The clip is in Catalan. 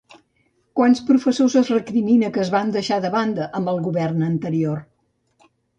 Quants professors es recrimina que es van deixar de banda amb el govern anterior?